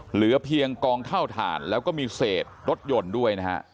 เหลือเพียงกองเท่าฐานแล้วก็มีเศษรถยนต์ด้วยนะฮะ